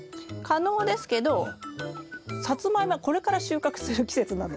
可能ですけどサツマイモはこれから収穫する季節なので。